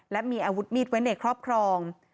และมีอาวุธมีดไว้ในครอบครอง